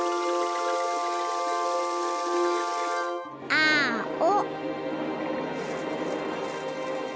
あお。